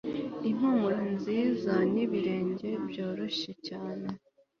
impumuro nziza n'ibirenge byoroshye cyane